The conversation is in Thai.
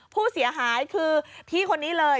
ผู้เสียหายคือพี่คนนี้เลย